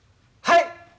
はい！